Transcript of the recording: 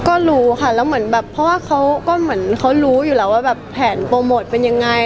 ก็รู้ค่ะแล้วเหมือนแบบเพราะว่าเขาก็เหมือนเขารู้อยู่แล้วว่าแบบแผนโปรโมทเป็นยังไง